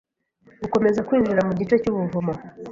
gukomeza kwinjira mu gice cy'ubuvumo